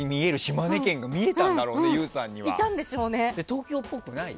東京っぽくない？